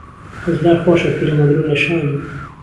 قزلهر خۆشه پیرهمهگروون له شانی